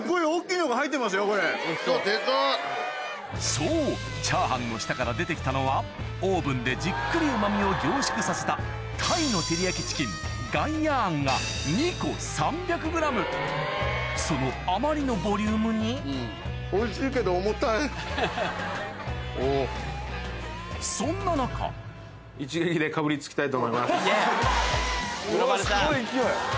そうチャーハンの下から出てきたのはオーブンでじっくりうまみを凝縮させたそのあまりのボリュームにそんな中すごい勢い。